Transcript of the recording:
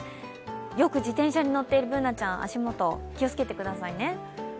よく自転車に乗っているＢｏｏｎａちゃん、足元気を付けてくださいね。